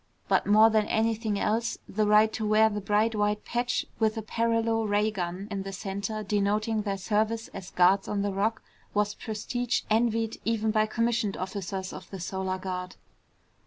But more than anything else the right to wear the bright white patch with a paralo ray gun in the center denoting their service as guards on the Rock was prestige envied even by commissioned officers of the Solar Guard.